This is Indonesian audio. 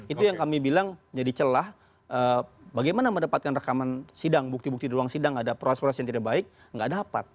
itu yang kami bilang jadi celah bagaimana mendapatkan rekaman sidang bukti bukti di ruang sidang ada proas pros yang tidak baik nggak dapat